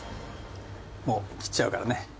もう切っちゃうからね。